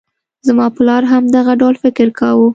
زما پلار هم دغه ډول فکر کاوه.